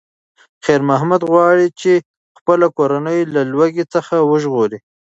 خیر محمد غواړي چې خپله کورنۍ له لوږې څخه وژغوري.